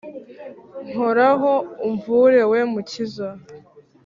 Nkoraho umvure we Mukiza.